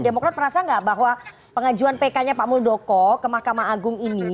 demokrat merasa nggak bahwa pengajuan pk nya pak muldoko ke mahkamah agung ini